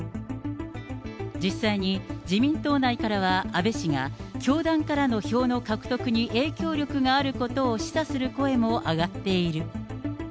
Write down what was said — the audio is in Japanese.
実際に自民党内からは安倍氏が、教団からの票の獲得に影響力があることを示唆する声も上がっている。